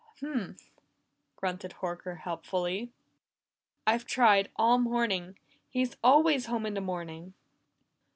"Humph!" grunted Horker helpfully. "I've tried all morning he's always home in the morning."